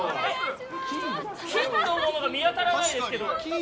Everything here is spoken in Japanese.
金のものが見当たらないんですけど。